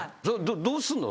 どうすんの？